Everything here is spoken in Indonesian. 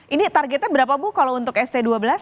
ini targetnya berapa bu kalau untuk st dua belas